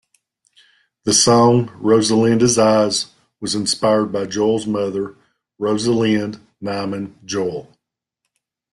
The song "Rosalinda's Eyes" was inspired by Joel's mother, Rosalind Nyman Joel.